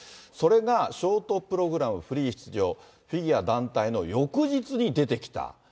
それがショートプログラム、フリー出場、フィギュア団体の翌日に出てきた。